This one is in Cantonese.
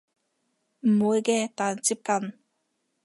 唔會嘅但接近